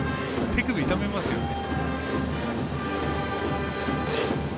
手首傷めますよね。